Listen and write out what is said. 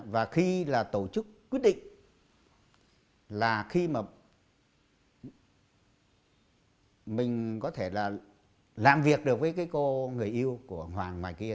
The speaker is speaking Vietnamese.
và khi là tổ chức quyết định là khi mà mình có thể là làm việc được với cái cô người yêu của hoàng mai kia